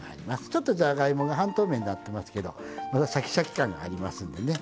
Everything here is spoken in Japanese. ちょっとじゃがいもが半透明になってますけどまだシャキシャキ感がありますんでね。